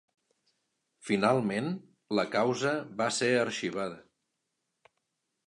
Finalment, la causa va ser arxivada.